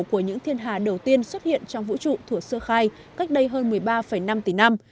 của những thiên hà đầu tiên xuất hiện trong vũ trụ thủa sơ khai cách đây hơn một mươi ba năm tỷ năm